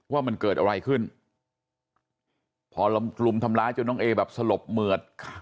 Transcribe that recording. ว่ามันเกิดอะไรขึ้นพอลำรุมทำร้ายจนน้องเอแบบสลบเหมือด